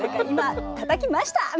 「今たたきました！」